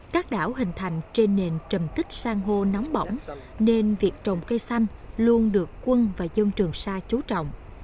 các đảo hình thành trên nền trầm tích sang hô nóng bỏng nên việc trồng cây xanh luôn được quân và dân trường xa chú trọng